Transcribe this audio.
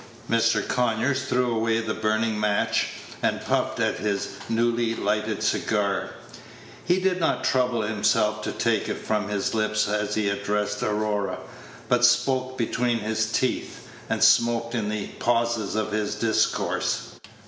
Mr. Conyers threw away the burning match, and puffed at his newly lighted cigar. He did not trouble himself to take it from his lips as he addressed Aurora, but spoke between his teeth, and smoked in the pauses of his discourse.